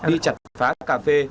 đi chặt phá cà phê